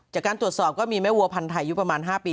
จากการตรวจสอบก็มีแม่วัวพันธ์ไทยอายุประมาณ๕ปี